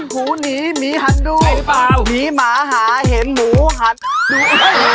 หูหันหนีหมาหาเห็นหมูหันดู